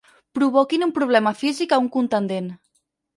Provoquin un problema físic a un contendent.